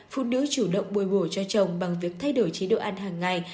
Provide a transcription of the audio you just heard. phụ nữ chủ động bồi bổ cho chồng bằng việc thay đổi chế độ ăn hàng ngày